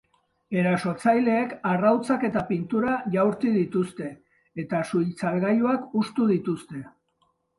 Erasotzaileek arrautzak eta pintura jaurti dituzte, eta su-itzalgailuak hustu dituzte.